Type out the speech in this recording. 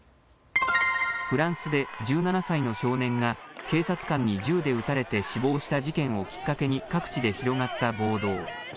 フランスで１７歳の少年が警察官に銃で撃たれて死亡した事件をきっかけに各地で広がった暴動。